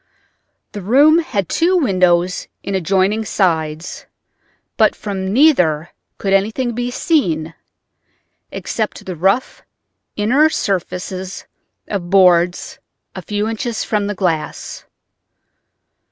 The room had two windows in adjoining sides, but from neither could anything be seen except the rough inner surfaces of boards a few inches from the glass.